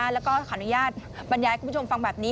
แล้วก็ขออนุญาตบรรยายคุณผู้ชมฟังแบบนี้